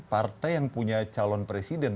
partai yang punya calon presiden